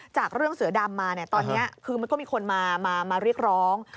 จากเรื่องเสือดำมาตอนนี้คือมันก็มีคนมาเรียกร้อง